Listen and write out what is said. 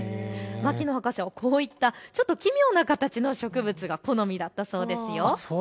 牧野博士はこういったちょっと奇妙な形の植物が好みだったそうですよ。